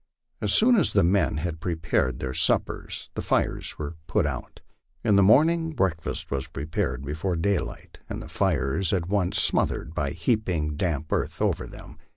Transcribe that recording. As soon as the men had prepared their sup pers the fires were put out. In the morning breakfast was prepared before daylight, and the fires at once smothered by heaping damp earth over them.